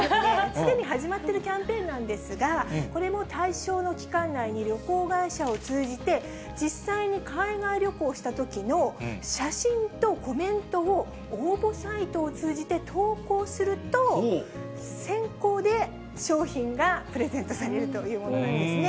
すでに始まっているキャンペーンなんですが、これも対象の期間内に旅行会社を通じて、実際に海外旅行したときの写真とコメントを応募サイトを通じて投稿すると、選考で商品がプレゼントされるというものなんですね。